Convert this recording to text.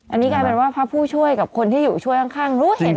อันนี้ก็เหมือนว่าภาพผู้ช่วยกับคนที่อยู่ช่วยข้างเห็นหมด